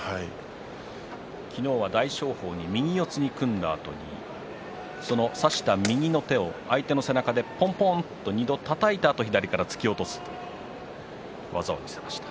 昨日は大翔鵬に右四つに組んだあとその差した右の手を相手の背中でぽんぽんと２度たたいたあと左から突き落としました。